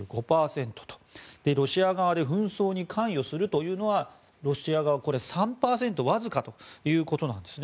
ロシア側で紛争に関与するというのはロシア側は３％わずかということなんです。